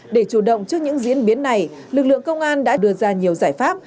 để chủ động trước những diễn biến này lực lượng công an đã đưa ra nhiều giải pháp